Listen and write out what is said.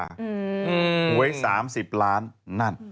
หวย๓๐ล้านนั่น